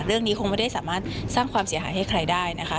เรื่องนี้คงไม่ได้สามารถสร้างความเสียหายให้ใครได้นะคะ